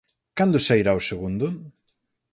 Cando sairá o segundo?